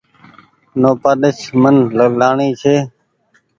نوپآليس من لآڻي ڇي۔